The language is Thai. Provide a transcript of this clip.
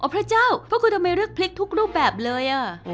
พระเจ้าพระคุณทำไมเลือกพลิกทุกรูปแบบเลย